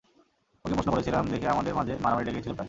ওকে প্রশ্ন করেছিলাম দেখে আমাদের মাঝে মারামারি লেগে গেছিল প্রায়।